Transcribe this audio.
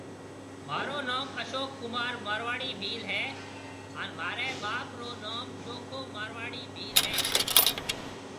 مهارو نوم اشوڪ ڪمار مارواڙي ڀيل هيَ هانَ مهاري ٻاپ رو نوم چهوکهو ماروارڙي ڀيل هيَ۔